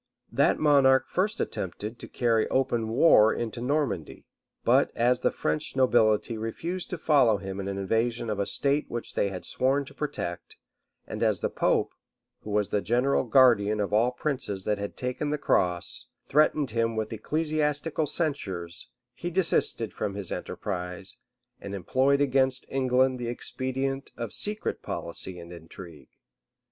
{1192.} That monarch first attempted to carry open war into Normandy: but as the French nobility refused to follow him in an invasion of a state which they had sworn to protect, and as the pope, who was the general guardian of all princes that had taken the cross, threatened him with ecclesiastical censures, he desisted from his enterprise, and employed against England the expedient of secret policy and intrigue.